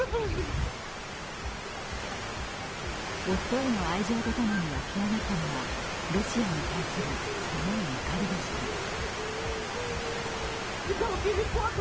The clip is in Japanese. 夫への愛情とともにわき上がったのは、ロシアに対する強い怒りでした。